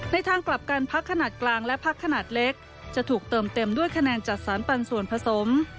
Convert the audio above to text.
ทางกลับกันพักขนาดกลางและพักขนาดเล็กจะถูกเติมเต็มด้วยคะแนนจัดสรรปันส่วนผสม